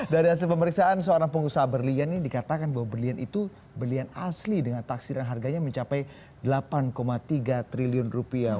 dari hasil pemeriksaan seorang pengusaha berlian ini dikatakan bahwa berlian itu berlian asli dengan taksiran harganya mencapai delapan tiga triliun rupiah